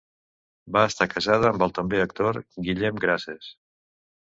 Va estar casada amb el també actor Guillem Grases.